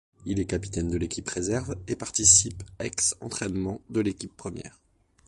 Il est capitaine de l'équipe réserve, et participe aix entraînement de l'équipe première.